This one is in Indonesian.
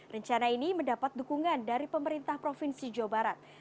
rencana ini mendapat dukungan dari pemerintah provinsi jawa barat